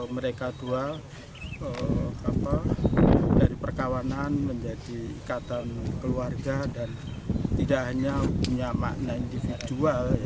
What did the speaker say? mereka dua dari perkawanan menjadi ikatan keluarga dan tidak hanya punya makna individual